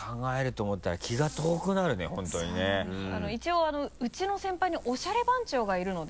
一応うちの先輩におしゃれ番長がいるので。